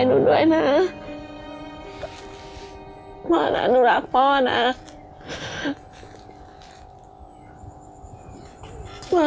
หนูขอโทษนะที่หนูไปอยู่ที่อื่น